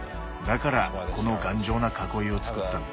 だからこの頑丈な囲いを造ったんです。